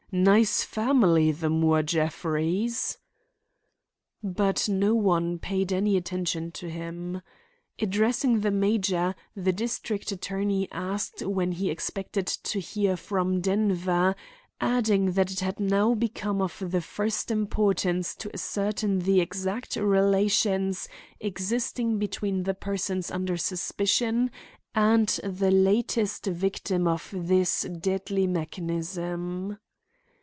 Nice family, the Moore Jeffreys!" But no one paid any attention to him. Addressing the major, the district attorney asked when he expected to hear from Denver, adding that it had now become of the first importance to ascertain the exact relations existing between the persons under suspicion and the latest victim of this deadly mechanism.